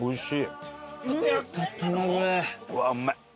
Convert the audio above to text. うわうまい！